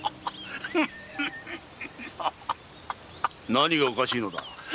何がおかしいのだ。